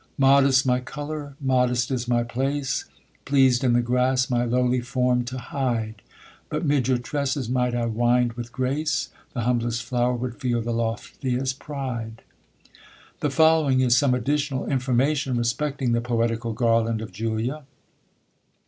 Modest my colour, modest is my place, Pleased in the grass my lowly form to hide; But mid your tresses might I wind with grace, The humblest flower would feel the loftiest pride. The following is some additional information respecting "the Poetical Garland of Julia."